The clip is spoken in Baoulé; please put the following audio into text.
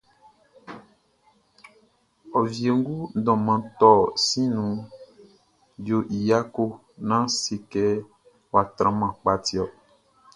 Ô Wiégoun Mʼdôman Torh Siʼn nouh, yo y yako...Nan sékê, wa tranman pka tiorh.